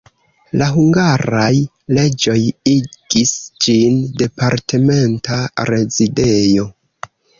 La hungaraj reĝoj igis ĝin departementa rezidejo.